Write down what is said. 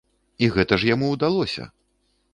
І гэта ж яму ўдалося!